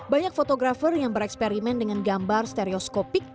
banyak fotografer yang bereksperimen dengan gambar stereoskopik